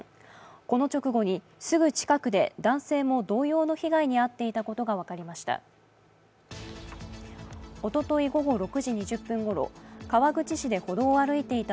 この直後に、すぐ近くで男性も同様の被害に遭っていたことが分かりました。